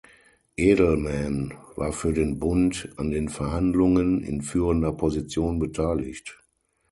Edelman war für den "Bund" an den Verhandlungen in führender Position beteiligt.